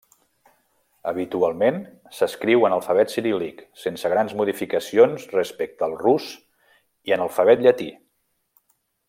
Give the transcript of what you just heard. Habitualment s'escriu en alfabet ciríl·lic sense grans modificacions respecte al rus i en alfabet llatí.